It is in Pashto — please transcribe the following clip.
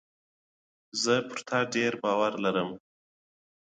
زه په تا ډېر زیات باور لرم.